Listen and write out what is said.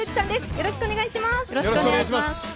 よろしくお願いします。